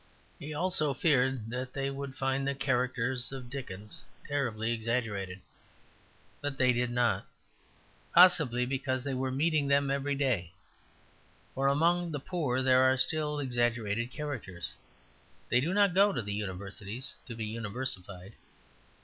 He also feared that they would find the characters of Dickens terribly exaggerated. But they did not, possibly because they were meeting them every day. For among the poor there are still exaggerated characters; they do not go to the Universities to be universified.